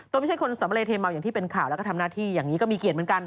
ตนไม่ใช่คนสำเร็จเทมาวอย่างที่เป็นข่าวแล้วก็ทำหน้าที่อย่างนี้